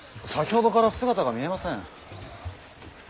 先ほどから姿が見えません。